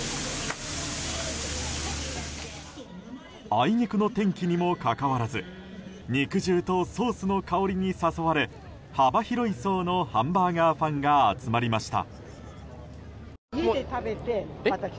あいにくの天気にもかかわらず肉汁とソースの香りに誘われ幅広い層のハンバーガーファンが集まりました。